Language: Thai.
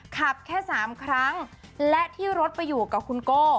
ขับแค่๓ครั้งและที่รถไปอยู่กับคุณโก้